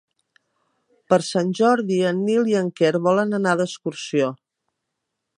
Per Sant Jordi en Nil i en Quer volen anar d'excursió.